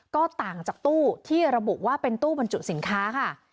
ก็ต่างจากตู้ที่ระบุว่าเป็นตู้บรรจุสินค้าค่ะ